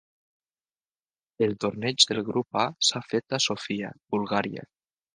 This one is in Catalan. El torneig del Grup A s'ha fet a Sofia, Bulgària.